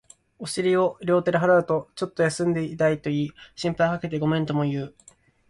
お尻を両手で払うと、ちょっと休んでいたと言い、心配かけてごめんとも言う